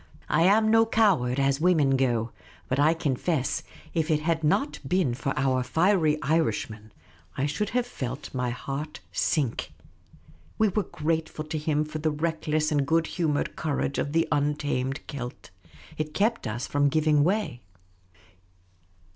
I am no coward, as women go, but I confess, if it had not been for 204 Miss Cayley's Adventures our fiery Irishman, I should have felt my heart sink. We were grateful to him for the reckless and good humoured courage of the untamed Celt. It kept us from giving way.